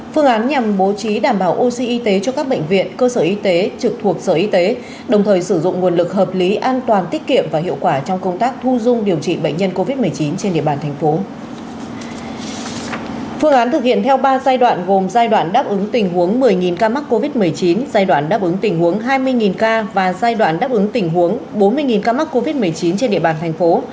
phương án thực hiện theo ba giai đoạn gồm giai đoạn đáp ứng tình huống một mươi ca mắc covid một mươi chín giai đoạn đáp ứng tình huống hai mươi ca và giai đoạn đáp ứng tình huống bốn mươi ca mắc covid một mươi chín trên địa bàn thành phố